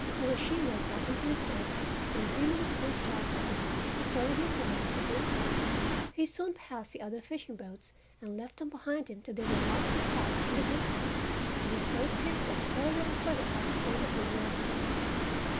Urashima got into his boat and dreamily pushed out to sea, throwing his line as he did so. He soon passed the other fishing boats and left them behind him till they were lost to sight in the distance, and his boat drifted further and further out upon the blue waters.